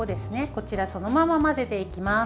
こちら、そのまま混ぜていきます。